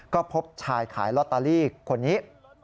ก็พบชายขายลอตเตอรี่คนนี้